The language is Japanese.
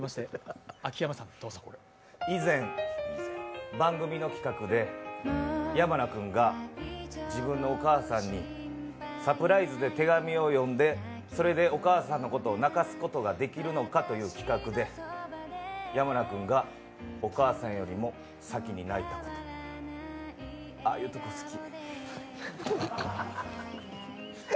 以前、番組の企画で山名君が自分のお母さんにサプライズで手紙を読んでそれでお母さんのことを泣かすことができるのかという企画で山名君がお母さんよりも先に泣いたところ、ああいうの、好き。